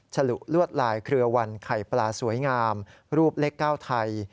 ฉลุลวดลายเครือวันไข่ปลาสวยงามรูปเลข๙ไทย